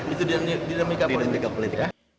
itu dinamika politik